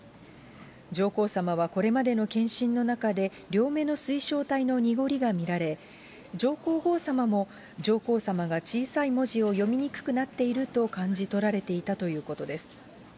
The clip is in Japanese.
上皇さまはこれまでの検診の中で両目の水晶体の濁りが見られ、上皇后さまも、上皇さまが小さい文字を読みにくくなっていると感じとられていたということです。